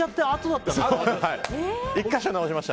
１か所、直しました。